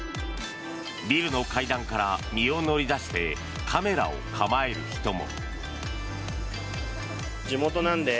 ビルの階段から身を乗り出してカメラを構える人も。